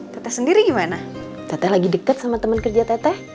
tete sendiri gimana teteh lagi dekat sama temen kerja teteh